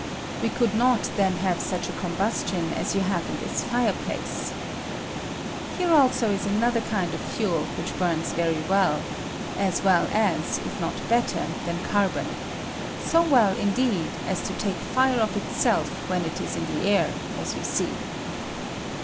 We could not then have such a combustion as you have in this fireplace. Here also is another kind of fuel which burns very well — as well as, if not better, than carbon — so well, indeed, as to take fire of itself when it is in the air, as you see.